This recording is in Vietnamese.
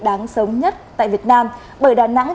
đáng sống nhất tại việt nam bởi đà nẵng